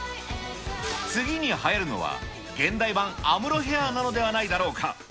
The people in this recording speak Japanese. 次にはやるのは、現代版安室ヘアーなのではないだろうか。